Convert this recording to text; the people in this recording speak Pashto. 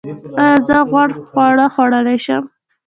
ایا زه غوړ خواړه خوړلی شم؟